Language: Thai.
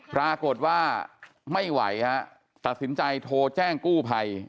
ปรากฏว่าไม่ไหวฮะตัดสินใจโทรแจ้งกู้ภัย